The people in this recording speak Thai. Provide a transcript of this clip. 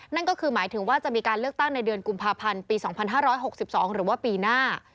นั่นก็คือหมายถึงว่าจะมีการเลือกตั้งในเดือนกุมภาพันธ์ปี๒๕๖๒หรือว่าปีหน้า